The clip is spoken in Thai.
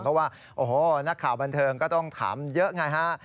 เพราะว่าโอ้โหนักข่าวบันเทิงก็ต้องถามเยอะไงฮะ